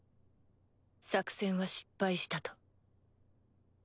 作戦は失敗したと。